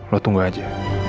lo tunggu aja